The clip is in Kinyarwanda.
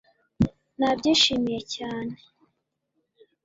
Nabyishimiye cyane